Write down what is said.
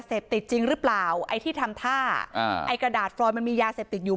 เสพติดจริงหรือเปล่าไอ้ที่ทำท่าอ่าไอ้กระดาษฟรอยมันมียาเสพติดอยู่